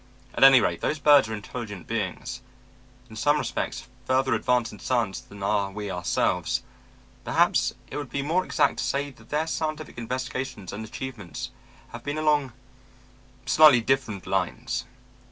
At any rate those birds are intelligent beings; in some respects, further advanced in science than are we ourselves. Perhaps it would be more exact to say that their scientific investigations and achievements have been along slightly different lines.